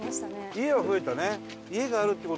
家は増えたね。